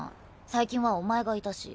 最近はお前がいたし。